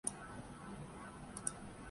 general Qamar Javed Bajwa کے ساتھ بھی نام نہاد